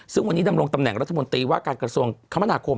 ซึ่งวันนี้ดำรงตำแหน่งรัฐมนตรีว่าการกระทรวงคมนาคม